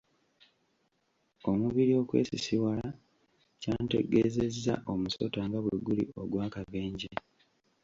Omubiri okwesisiwala kyantegeezezza omusota nga bwe guli ogw'akabenje.